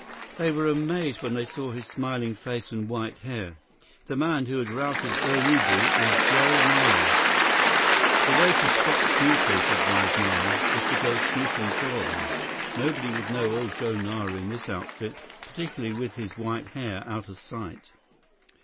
They were amazed when they saw his smiling face and white hair. The man who had routed Urubu was Joe Nara. "The way to spot snoopers," advised Nara, "is to go snooping for them. Nobody would know old Joe Nara in this outfit, particularly with his white hair out of sight."